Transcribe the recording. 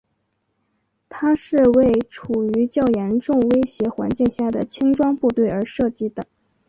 它是为处于较严重威胁环境下的轻装部队而设计的。